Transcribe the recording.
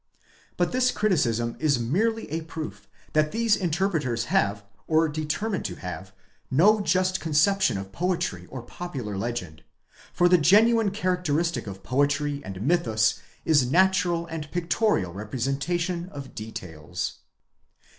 18 But this criticism is merely a proof that these interpreters have, or determine to have, no just conception of poetry or popular legend; for the genuine characteristic of poetry and mythus is natural and pictorial representation of details.